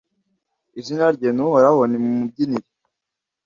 izina rye ni Uhoraho nimumubyinire